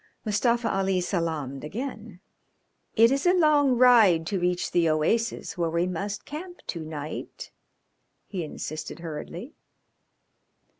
Mustafa Ali salaamed again. "It is a long ride to reach the oasis where we must camp to night," he insisted hurriedly.